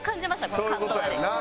このカット割り。